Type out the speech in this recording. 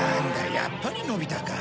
やっぱりのび太か。